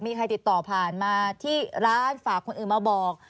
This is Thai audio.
มีใครติดต่อผ่านมาที่ร้านฝากคนอื่นมาบอก